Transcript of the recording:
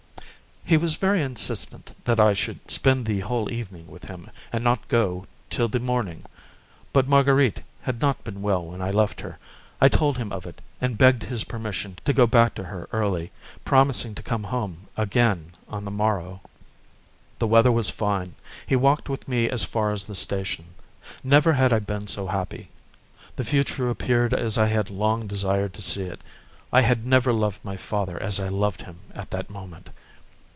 He was very insistent that I should spend the whole evening with him and not go till the morning; but Marguerite had not been well when I left her. I told him of it, and begged his permission to go back to her early, promising to come again on the morrow. The weather was fine; he walked with me as far as the station. Never had I been so happy. The future appeared as I had long desired to see it. I had never loved my father as I loved him at that moment.